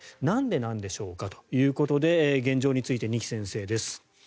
なんでなんでしょうかということで現状について二木先生です。